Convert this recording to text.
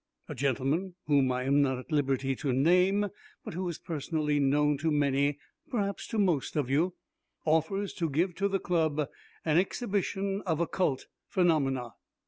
A gentleman whom I am not at liberty to name, but who is personally known to many perhaps to most of you, offers to give to the Club an exhibition of occult phenomena."